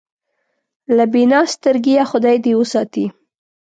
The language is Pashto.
له بینا سترګېه خدای دې وساتي.